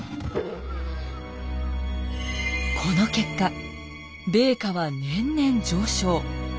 この結果米価は年々上昇。